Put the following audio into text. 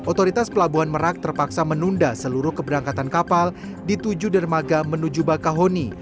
otoritas pelabuhan merak terpaksa menunda seluruh keberangkatan kapal di tujuh dermaga menuju bakahoni